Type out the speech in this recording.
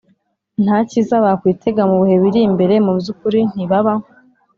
nta cyiza bakwitega mu bihe biri imbere Mu by ukuri ntibaba